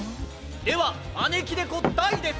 ではまねきねこ・大です。